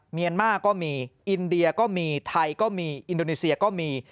เมียนมาร์ก็มีอินเดียก็มีไทยก็มีอินโดนีเซียก็มี